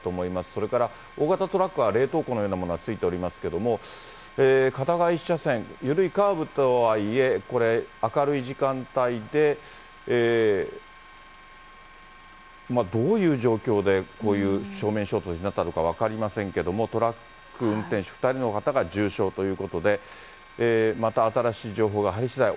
それから大型トラックは冷凍庫のようなものがついておりますけども、片側１車線、緩いカーブとはいえ、これ、明るい時間帯で、どういう状況でこういう正面衝突になったのか分かりませんけども、トラック運転手２人の方が重傷ということで、また新しい情報が入りしだい